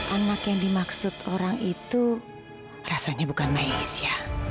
anak yang dimaksud orang itu rasanya bukan malaysia